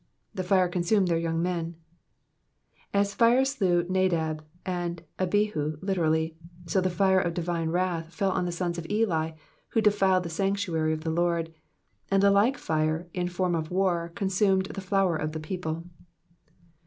^^ The fire eamumed their yovng meny As firo slew Nadab and Abihu literally, so the fire of divine wrath fell on the sons of Eli, who defiled the sanctuary of the Lord, and the like fire, in the form of war, consumed the flower of the people.